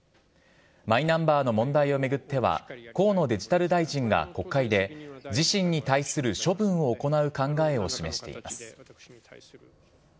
マイナンバーの問題を巡っては、河野デジタル大臣が国会で、自身に対する処分を行う考えを示しています。